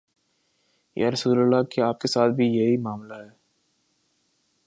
یا رسول اللہ، کیا آپ کے ساتھ بھی یہی معا ملہ ہے؟